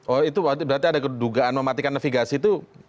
oh itu berarti ada kedugaan mematikan navigasi itu